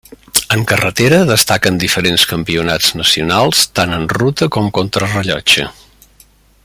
En carretera destaquen diferents campionats nacionals tant en ruta com contrarellotge.